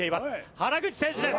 原口選手です。